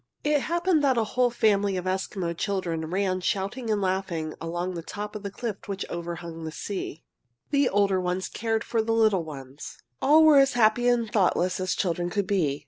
It happened that a whole family of Eskimo children ran shouting and laughing along the top of a cliff which overhung the sea. The older ones cared for the little ones. All were as happy and thoughtless as children could be.